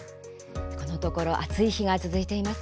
このところ暑い日が続いています。